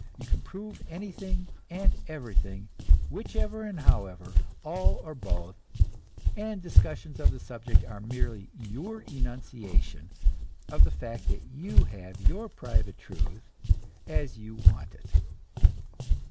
You can prove anything and everything, whichever and however, all or both; and discussions of the subject are merely your enunciation of the fact that you have your private truth as you want it.